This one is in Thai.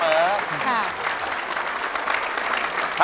ถ้าพร้อมแล้วมาเลยครับ